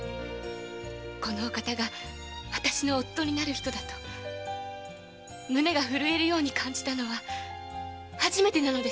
“このお方が私の夫になる人だ”と胸が震えるように感じたのは初めてなのです！